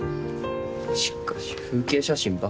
しかし風景写真ばっか。